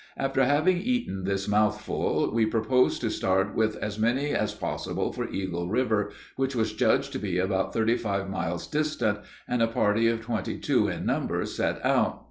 After having eaten this mouthful we proposed to start with as many as possible for Eagle river, which was judged to be about thirty five miles distant, and a party of twenty two in number set out.